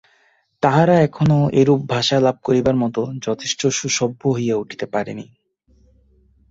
তাহারা এখনও এরূপ ভাষা লাভ করিবার মত যথেষ্ট সুসভ্য হইয়া উঠিতে পারে নাই।